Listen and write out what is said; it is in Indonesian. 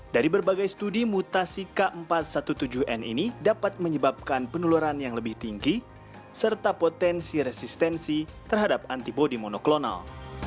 dari berbagai studi mutasi k empat ratus tujuh belas n ini dapat menyebabkan penularan yang lebih tinggi serta potensi resistensi terhadap antibody monoklonal